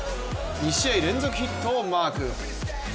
２試合連続ヒットをマーク。